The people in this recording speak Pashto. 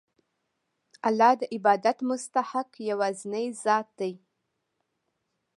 الله د عبادت مستحق یوازینی ذات دی.